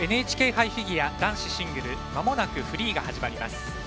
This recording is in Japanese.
ＮＨＫ杯フィギュア男子シングルまもなくフリーが始まります。